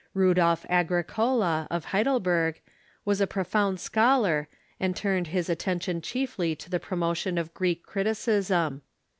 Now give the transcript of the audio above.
Rudolf Agricola, of Heidelberg, was a jjrofound scholar, and turned his attention chiefly to the promotion of Greek criti cism.